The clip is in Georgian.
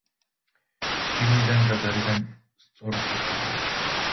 შიგნიდან და გარედან სწორკუთხაა.